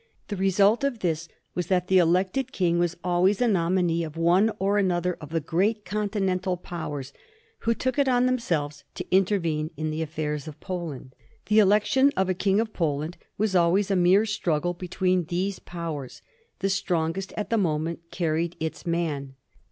The result of this was that the elected king was always a nominee of one or another of the great Continental Powers who took it on them selves to intervene in the affairs of Poland. The election of a King of Poland was always a mere struggle between these Powers: the strongest at the moment carried its man.